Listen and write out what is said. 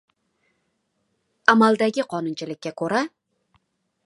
Amaldagi qonunchilikka ko‘ra...